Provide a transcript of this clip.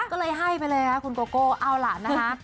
ก็เลยให้ไปเลยค่ะคุณโกโก้เอาล่ะนะคะ